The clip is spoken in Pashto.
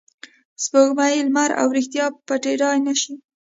سپوږمۍ، لمر او ریښتیا پټېدای نه شي.